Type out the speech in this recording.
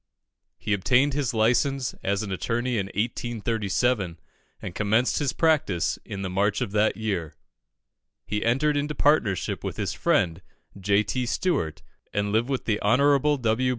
He obtained his license as an attorney in 1837, and commenced his practice in the March of that year. He entered into partnership with his friend, J. T. Stewart, and lived with the Hon. W.